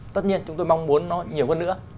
tất nhiên chúng tôi mong muốn nó nhiều hơn nữa